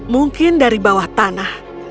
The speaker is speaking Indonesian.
mungkin dari bawah tanah